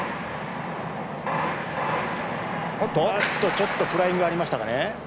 ちょっとフライングがありましたかね。